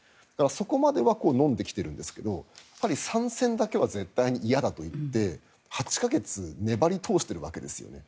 そこまではのんできてるんですけど参戦だけは絶対に嫌だといって８か月粘り通しているわけですね。